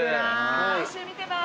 毎週見てます。